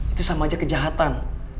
itu sama aja kejahatan